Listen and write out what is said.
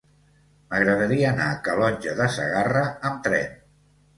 M'agradaria anar a Calonge de Segarra amb tren.